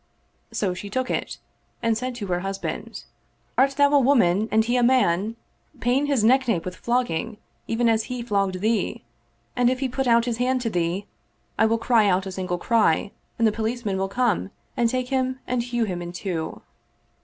So she took it and said to her hus band, " Art thou a woman and he a man? Pain his neck nape with flogging, even as he flogged thee ; and if he put out his hand to thee, I will cry out a single cry and the po* licemen will come and take him and hew him in two."